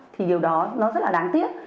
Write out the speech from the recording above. thì điều đó nó rất là đáng tiếc